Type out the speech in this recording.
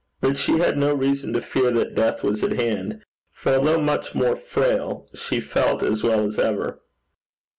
But she had no reason to fear that death was at hand; for, although much more frail, she felt as well as ever.